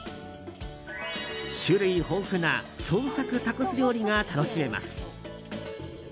種類豊富な創作タコス料理が楽しめます。